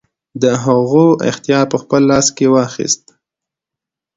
د هغو اختیار په خپل لاس کې واخیست.